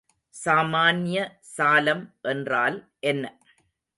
சாமான்ய சாலம் என்றால் என்ன?